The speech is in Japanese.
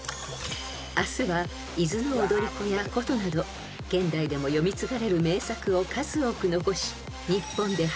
［明日は『伊豆の踊子』や『古都』など現代でも読み継がれる名作を数多く残し］